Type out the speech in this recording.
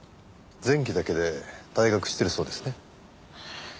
前期だけで退学してるそうですね。